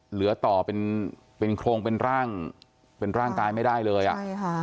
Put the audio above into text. เหลือต่อเป็นโครงเป็นร่างเป็นร่างกายไม่ได้เลยอ่ะ